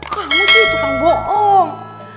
kamu sih tukang bohong